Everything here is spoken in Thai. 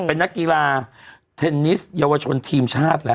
เป็นนักกีฬาเทนนิสเยาวชนทีมชาติแหละ